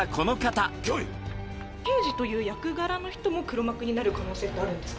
刑事という役柄の人も黒幕になる可能性ってあるんですか？